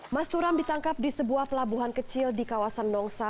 mas turam ditangkap di sebuah pelabuhan kecil di kawasan nongsa